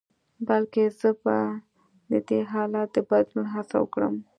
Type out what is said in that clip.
بلکې زه به د دې حالت د بدلون هڅه وکړم.